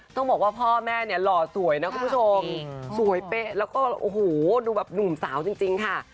ต้องบอกว่าพ่อแม่เนี่ยหล่อสวยนะคุณผู้ชมสวยเป๊ะแล้วก็โอ้โหดูแบบหนุ่มสาวจริงค่ะ